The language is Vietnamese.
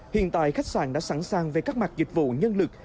hiện tại khách sạn đã sẵn sàng về các mặt dịch vụ nhân lực